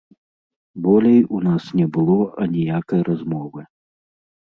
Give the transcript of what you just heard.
Болей у нас не было аніякай размовы.